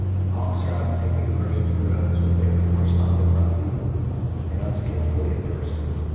liAUKS arc apt to take an averfion to their hoods, when they are forced on them roughly and unlkilfully at firft.